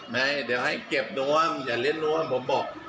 ไม่ให้เก็บนวมอย่าเล่นรู้ว่าผมบอก